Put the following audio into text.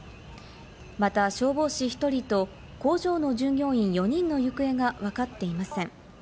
また消防士１人と、工場の従業員４人の行方がわかっていません。